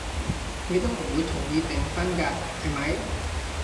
你都唔會同意訂婚㗎，係咪？